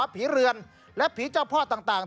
เรือนและผีเจ้าพ่อต่าง